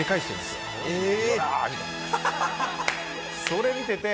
それ見てて。